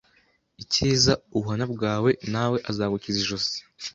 ikiza ubuhamya bwawe, na we azagukiza ijosi! ”